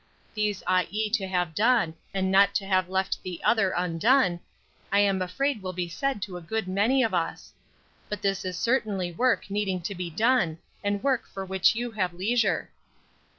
'These ought ye to have done, and not to have left the other undone,' I am afraid will be said to a good many of us. But this is certainly work needing to be done, and work for which you have leisure."